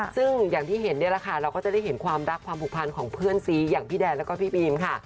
ซึ่งอย่างที่เห็นเนี่ยแหละค่ะเราก็จะได้เห็นความรักความผูกพันของเพื่อนซีอย่างพี่แดนแล้วก็พี่บีมค่ะ